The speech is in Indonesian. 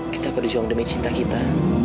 kita perlu juang demi cinta kita